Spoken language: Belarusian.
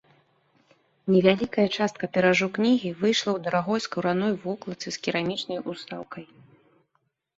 Невялікая частка тыражу кнігі выйшла ў дарагой скураной вокладцы з керамічнай устаўкай.